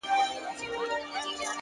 د زړې ونې سیوری تل یو ډول ارامي ورکوي.!